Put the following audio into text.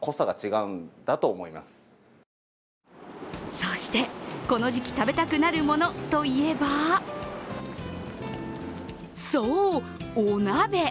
そして、この時期食べたくなるものといえば、そう、お鍋。